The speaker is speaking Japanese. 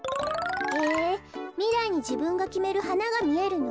へえみらいにじぶんがきめるはながみえるの？